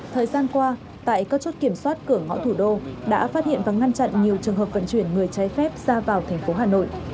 thời gian qua tại các chốt kiểm soát cửa ngõ thủ đô đã phát hiện và ngăn chặn nhiều trường hợp vận chuyển người trái phép ra vào thành phố hà nội